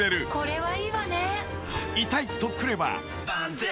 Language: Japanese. はい。